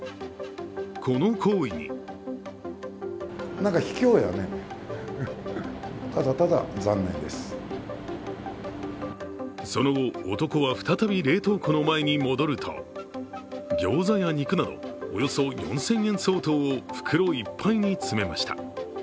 この行為にその後、男は再び冷凍庫の前に戻るとギョーザや肉などおよそ４０００円相当を袋いっぱいに詰めました。